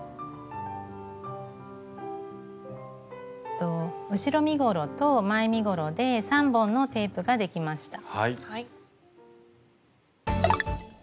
えっと後ろ身ごろと前身ごろで３本のテープができました。